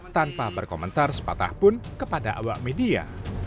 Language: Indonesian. tanpa berkomentar sepatah pun kepada awak media